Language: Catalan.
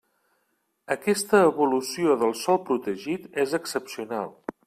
Aquesta evolució del sòl protegit és excepcional.